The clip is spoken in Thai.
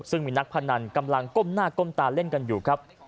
ซึ่งมีนักพนันกำลังก้มหน้าก้มตาเล่นกันอยู่ครับ